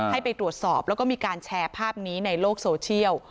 ให้ไปตรวจสอบแล้วก็มีการแชร์ภาพนี้ในโลกโซเชียล